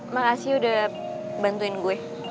makasi udah bantuin gue